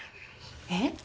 えっ？